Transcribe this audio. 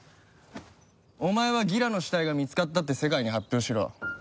お前はギラの死体が見つかったって世界に発表しろ。